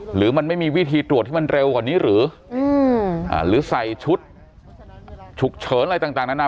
หรือมันไม่มีวิธีตรวจที่มันเร็วกว่านี้หรือใส่ชุดฉุกเฉินอะไรต่างนานา